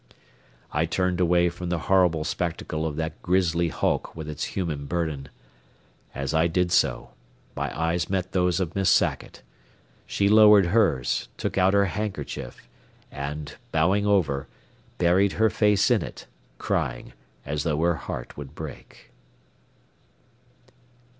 I turned away from the horrible spectacle of that grisly hulk with its human burden. As I did so, my eyes met those of Miss Sackett. She lowered hers, took out her handkerchief and, bowing over, buried her face in it, crying as though her heart would break.